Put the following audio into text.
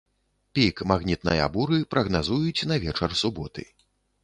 Пік магнітная буры прагназуюць на вечар суботы.